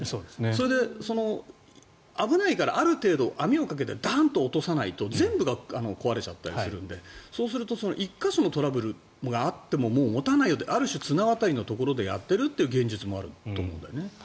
それで、危ないからある程度、網をかけてダンと落とさないと全部が壊れちゃったりするのでそうすると１か所のトラブルがあってももう持たないよってある種、綱渡りのところでやっているという現実もあるということだよね。